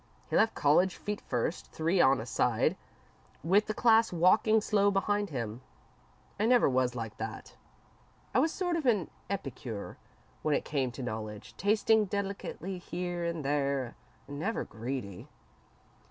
He left college feet first, three on a side, with the class walking slow behind him. I never was like that. I was sort of an epicure when it came to knowledge, tasting delicately here and there, and never greedy.